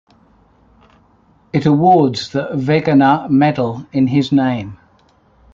It awards the Wegener Medal in his name.